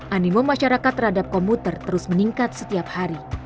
animo masyarakat terhadap komuter terus meningkat setiap hari